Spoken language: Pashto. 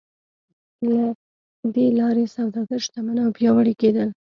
له دې لارې سوداګر شتمن او پیاوړي کېدل.